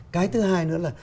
cái thứ hai nữa là